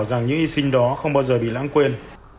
rằng những hy sinh đó không bao giờ bị lãng quên